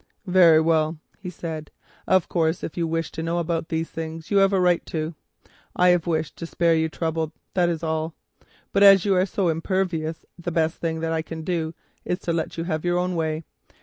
"Very well," he said, "of course if you wish to know about these things you have a right to. I have desired to spare you trouble, that is all; but as you are so very imperious, the best thing that I can do is to let you have your own way.